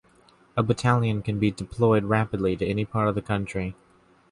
A battalion can be deployed rapidly to any part of the country.